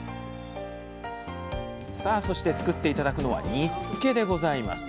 さあそして作って頂くのは煮つけでございます。